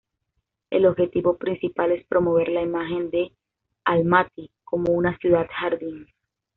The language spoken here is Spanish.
El objetivo principal es promover la imagen de Almatý como una ciudad-jardín.